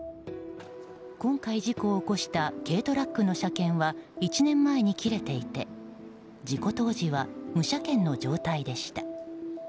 今回、事故を起こした軽トラックの車検は１年前に切れていて事故当時は無車検の状態でした。